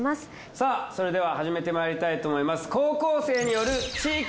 さあそれでは始めてまいりたいと思います。